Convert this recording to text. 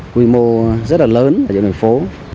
quy mô rất là lớn ở những nơi phố